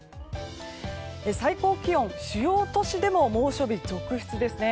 最高気温主要都市でも猛暑日続出ですね。